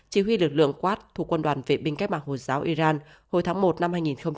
chỉ huy lực lượng quát thuộc quân đoàn vệ binh cách mạng hồi giáo iran hồi tháng một năm hai nghìn hai mươi